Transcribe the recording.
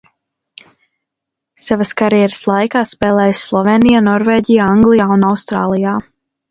Savas karjeras laikā spēlējis Slovēnijā, Norvēģijā, Anglijā un Austrālijā.